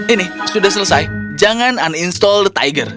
ini sudah selesai jangan uninstall the tiger